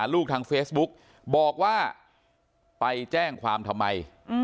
ทางเฟซบุ๊กบอกว่าไปแจ้งความทำไม